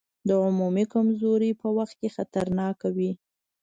د عمومي کمزورۍ په وخت کې خطرناک وي.